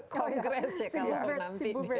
kongres ya kalau nanti